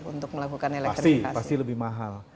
untuk melakukan elektrifikasi pasti pasti lebih mahal